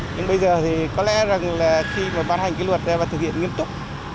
nhưng bây giờ thì có lẽ rằng là khi mà ban hành cái luật ra và thực hiện nghiêm túc